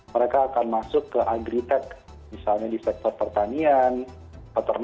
mereka akan masuk ke agritech misalnya di sektor pertanian